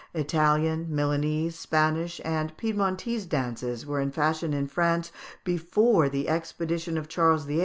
Italian, Milanese, Spanish, and Piedmontese dances were in fashion in France before the expedition of Charles VIII.